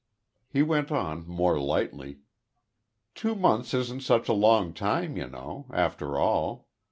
He went on, more lightly: "Two months isn't such a long time, you know, after all.